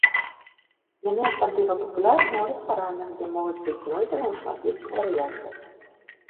Яны асабліва папулярныя ў рэстаранах, дзе могуць быць знойдзены ў шматлікіх варыяцыях.